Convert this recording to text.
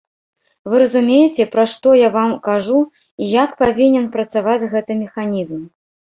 Вы зразумееце, пра што я вам кажу і як павінен працаваць гэты механізм.